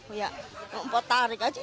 saya tarik aja